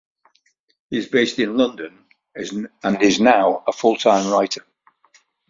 He is based in London and is now a full-time writer.